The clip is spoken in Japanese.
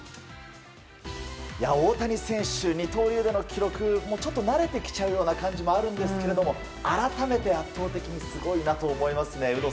大谷選手、二刀流での記録もちょっと慣れてきてしまうような感じもあるんですけど改めて、圧倒的にすごいなと思いますね。